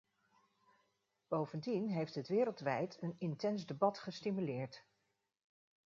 Bovendien heeft het wereldwijd een intens debat gestimuleerd.